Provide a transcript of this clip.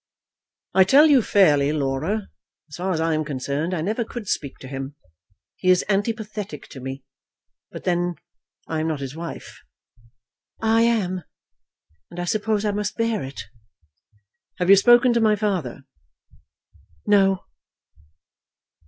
"I tell you fairly, Laura, as far as I am concerned, I never could speak to him. He is antipathetic to me. But then I am not his wife." "I am; and I suppose I must bear it." "Have you spoken to my father?" "No."